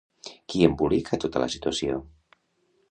Qui embolica tota la situació?